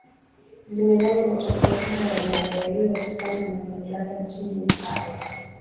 zimelaani matukio hayo yanayo daiwa kufanywa na mamlaka nchini misri